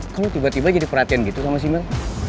kan lo tiba tiba jadi perhatian gitu sama simel